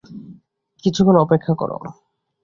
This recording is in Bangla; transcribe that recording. কিছুক্ষণ অপেক্ষা কর।